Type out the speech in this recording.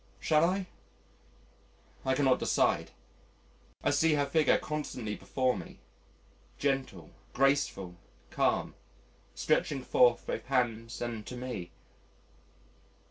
Shall I? I cannot decide. I see her figure constantly before me gentle, graceful, calm, stretching forth both hands and to me....